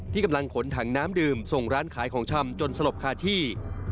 กำลังขนถังน้ำดื่มส่งร้านขายของชำจนสลบคาที่